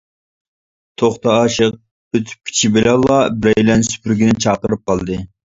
توختى ئاشىق ئۆتۈپ كېتىشى بىلەنلا بىرەيلەن سۈپۈرگىنى چاقىرىپ قالدى.